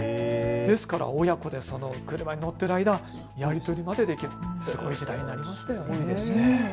ですから親子で車に乗っている間、やり取りまでできるすごい時代になりましたよね。